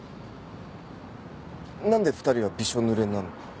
なんで２人はびしょ濡れなの？